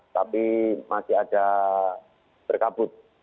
tapi masih ada berkabut